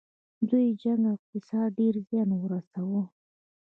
دې جنګ اقتصاد ته ډیر زیان ورساوه.